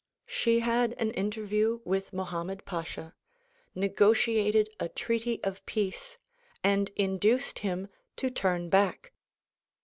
She had an interview with Mohammed Pasha, negotiated a treaty of peace and induced him to turn back.